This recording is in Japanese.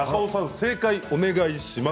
正解お願いします。